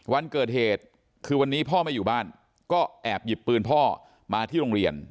วันเกิดเหตุคือวันนี้พ่อไม่อยู่บ้านก็แอบหยิบปืนพ่อมาที่โรงเรียน